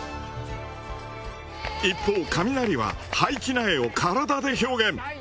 一方カミナリは廃棄苗を体で表現。